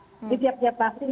jadi tiap tiap vaksin